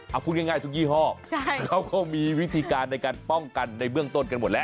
เอาพูดง่ายทุกยี่ห้อแล้วก็มีวิธีการในการป้องกันในเบื้องต้นกันหมดแล้ว